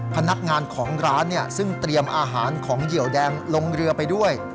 พนักงานของร้านซึ่งเตรียมอาหารของเหยียวแดงลงเรือไปด้วย